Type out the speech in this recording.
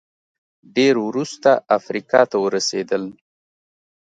ډېر وروسته افریقا ته ورسېدل